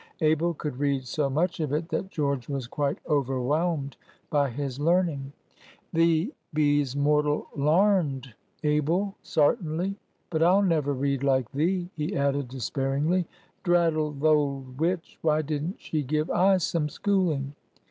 Abel could read so much of it that George was quite overwhelmed by his learning. "Thee be's mortal larned, Abel, sartinly. But I'll never read like thee," he added, despairingly. "Drattle th' old witch; why didn't she give I some schooling?"